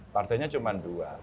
partainya cuma dua